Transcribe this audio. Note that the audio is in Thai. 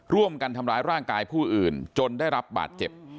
ร่วมกันทำร้ายร่างกายผู้อื่นจนได้รับบาดเจ็บ